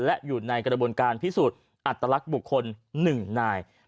และอยู่ในกระบวนการพิสูจน์อัตลักษณ์บุคคล๑นาย